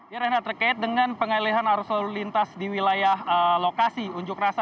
ya renat terkait dengan pengalihan arus lalu lintas di wilayah lokasi unjuk rasa